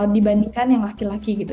dibandingkan yang laki laki gitu